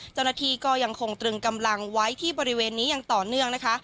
เจ้าหน้าที่ก็ยังคงตรึงกำลังไว้ที่บริเวณนี้อย่างต่อเนื่องนะคะ